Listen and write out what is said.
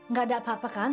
gak ada apa apa kan